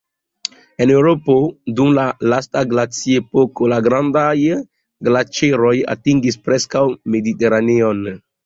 En Eŭropo dum la lasta glaciepoko la grandaj glaĉeroj atingis preskaŭ Mediteraneon.